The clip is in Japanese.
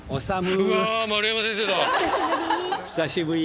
久しぶり！